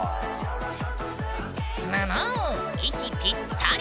ぬぬ息ぴったり！